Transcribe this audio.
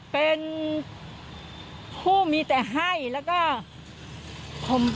คุณประสิทธิ์ทราบรึเปล่าคะว่า